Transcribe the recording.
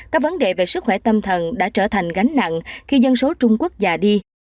các vấn đề về sức khỏe tâm thần đã trở thành gánh nặng khi dân số trung quốc già đi